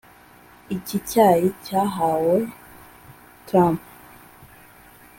Iki cyayi cyahawe Trump